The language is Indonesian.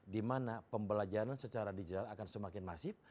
di mana pembelajaran secara digital akan semakin masif